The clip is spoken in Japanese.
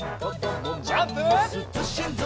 ジャンプ！